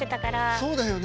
そうだよね。